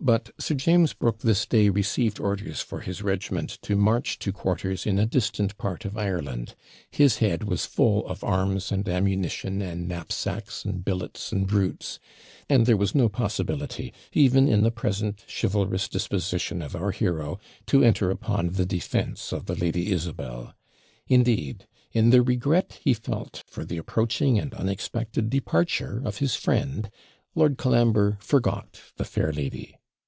But Sir James Brooke this day received orders for his regiment to march to quarters in a distant part of Ireland. His head was full of arms, and ammunition, and knapsacks, and billets, and routes; and there was no possibility, even in the present chivalrous disposition of our hero, to enter upon the defence of the Lady Isabel. Indeed, in the regret he felt for the approaching and unexpected departure of his friend, Lord Colambre forgot the fair lady.